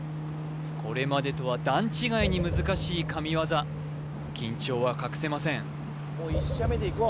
これまでとは段違いに難しい神業緊張は隠せません